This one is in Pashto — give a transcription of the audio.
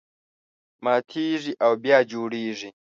ماتېږي او بیا جوړېږي.